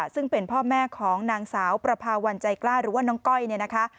ซึ่งเป็นพ่อแม่ของนางสาวประพาวันใจกล้าหรือว่าน้องก้อยเนี่ยนะคะ